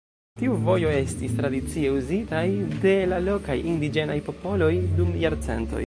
Tiu vojo estis tradicie uzitaj de la lokaj indiĝenaj popoloj dum jarcentoj.